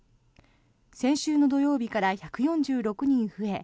先週の土曜日から１４６人増え